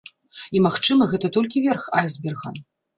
І, магчыма, гэта толькі верх айсберга.